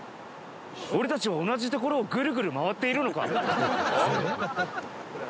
俺たちは同じ所をぐるぐる回っているのか？